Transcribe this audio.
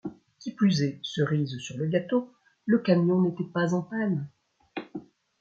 Qui plus est, cerise sur le gâteau : le camion n’était pas en panne.